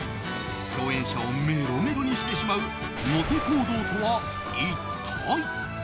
共演者をメロメロにしてしまうモテ行動とは一体？